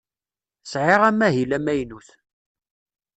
Sɛiɣ amahil amaynut.